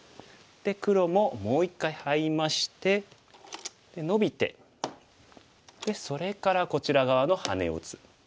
黒ももう一回ハイましてでノビてそれからこちら側のハネを打つ。